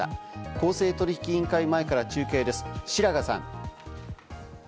公正取引委員会前から中継です、白賀さん。